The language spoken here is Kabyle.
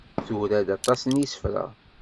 Tura-d aṭas n yisefra.